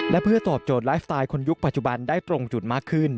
และเพื่อตอบโจทย์ไลฟ์สไตล์คนยุคปัจจุบันได้ตรงจุดมากขึ้น